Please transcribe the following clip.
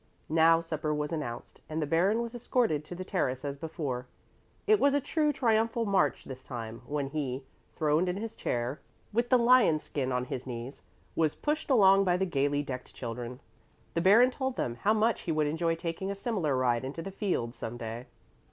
Now supper was announced, and the Baron was escorted to the terrace as before. It was a true triumphal march this time, when he, throned in his chair with the lion skin on his knees, was pushed along by the gaily decked children. The Baron told them how much he would enjoy taking a similar ride into the fields some day.